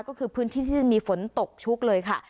ก็คือพื้นที่ที่จะมีฝนตกชุกเลยค่ะ